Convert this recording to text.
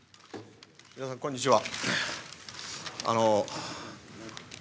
皆さんこんにちは。